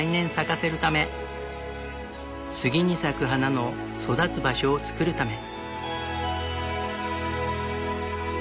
次に咲く花の育つ場所を作るため。